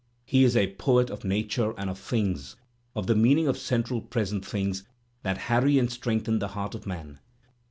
He is a poet of nature and of things, of the meaning of central present things that hany and strengthen the heart of man.